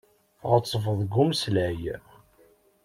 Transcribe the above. Tɣettbeḍ deg umeslay.